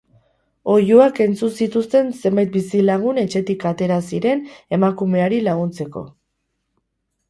Oihuak entzun zituzten zenbait bizilagun etxetik atera ziren emakumeari laguntzeko.